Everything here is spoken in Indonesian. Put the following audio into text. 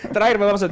terakhir pak maksud